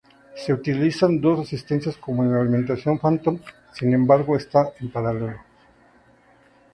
Se utilizan dos resistencias como en alimentación phantom, sin embargo, están en paralelo.